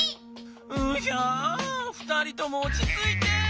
うひゃあ２人ともおちついて！